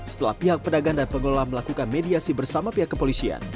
setelah pihak pedagang dan pengelola melakukan mediasi bersama pihak kepolisian